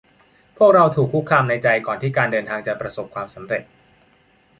พวกเราถูกคุกคามในใจก่อนที่การเดินทางจะประสบความสำเร็จ